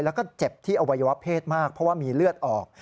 แล้วก็เจ็บที่อวัยวะเพศมากเพราะว่ามีเลือดออก